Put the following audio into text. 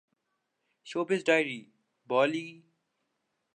showbiz diary Bali